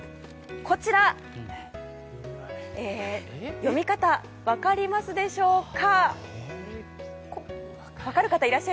こちら、読み方分かりますでしょうか。